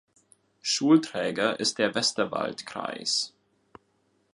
Schulträger ist der Westerwaldkreis.